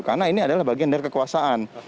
karena ini adalah bagian dari kekuasaan